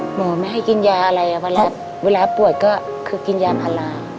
หมอไม่ให้กินยาอะไรวันแรกเวลาป่วยก็คือกินยาพารา